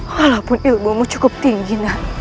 walaupun ilmu mu cukup tinggi